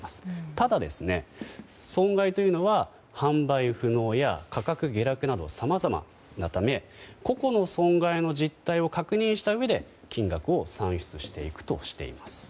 ただ、損害というのは販売不能や価格下落などさまざまなため個々の損害の実態を確認したうえで金額を算出していくとしています。